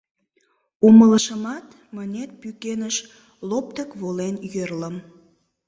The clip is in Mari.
Умылышымат, мынет пӱкеныш лоптык волен йӧрльым.